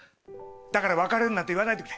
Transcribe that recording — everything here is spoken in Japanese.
だから別れるなんて言わないでくれ。